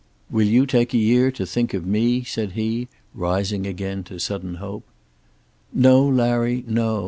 "Will you take a year to think of me?" said he, rising again to sudden hope. "No, Larry, no.